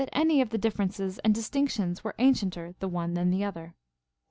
117 any of the differences and distinctions were ancienter the one than the other.